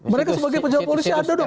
mereka sebagai pejabat polisi ada dong